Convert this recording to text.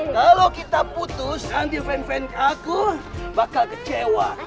kalo kita putus nanti fan fan aku bakal kecewa